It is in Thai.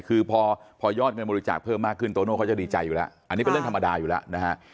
คือพอยอดเงินบริจาคเพิ่มมากขึ้นโตโน่เขาจะดีใจอยู่แล้วอันนี้เป็นเรื่องธรรมดาอยู่แล้วนะฮะ